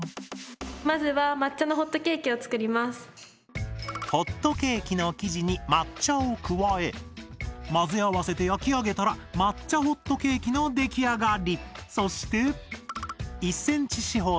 まずはホットケーキの生地に抹茶を加え混ぜ合わせて焼き上げたら抹茶ホットケーキの出来上がり。